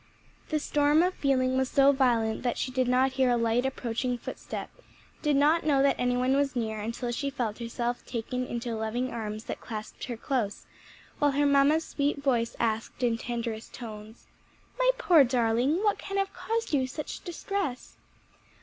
The storm of feeling was so violent that she did not hear a light, approaching footstep, did not know that any one was near until she felt herself taken into loving arms that clasped her close, while her mamma's sweet voice asked in tenderest tones, "my poor darling, what can have caused you such distress?"